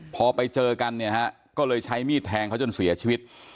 พอไปเจอกันเนี่ยฮะก็เลยใช้มีดแทงเขาจนเสียชีวิต